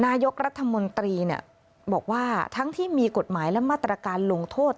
นายกรัฐมนตรีบอกว่าทั้งที่มีกฎหมายและมาตรการลงโทษ